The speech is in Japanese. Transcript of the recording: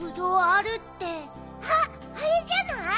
あっあれじゃない？